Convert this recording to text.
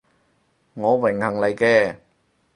我榮幸嚟嘅